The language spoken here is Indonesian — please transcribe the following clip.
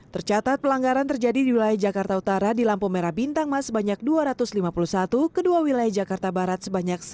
tercatat pelanggaran terjadi di wilayah jakarta utara di lampu merah bintang mas sebanyak dua ratus lima puluh satu kedua wilayah jakarta barat sebanyak satu ratus delapan puluh